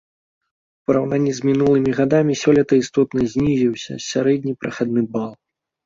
У параўнанні з мінулымі гадамі сёлета істотна знізіўся сярэдні прахадны бал.